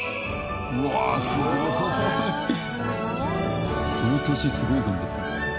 この年すごい頑張った。